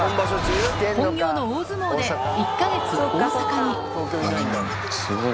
本業の大相撲で１か月、大阪に。